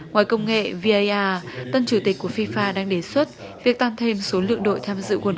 ngoài công nghệ va tân chủ tịch của fifa đang đề xuất việc tăng thêm số lượng đội tham dự quân